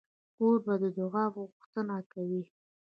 کوربه د دعا غوښتنه کوي.